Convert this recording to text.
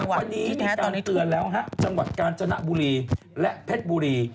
วันนี้มีการเตือนแล้วฮะจังหวัดกาญจนบุรีและเพชรบุรี